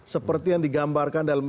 seperti yang digambarkan dalam